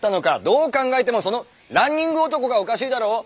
どう考えてもその「ランニング男」がおかしいだろう？